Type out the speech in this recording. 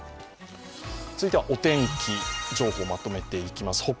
続いてはお天気情報をまとめていきます。